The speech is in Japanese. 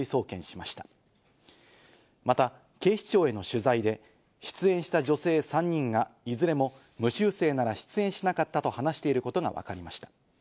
また警視庁への取材で出演した女性３人がいずれも無修正なら出演しなかったと話していることがわかりました。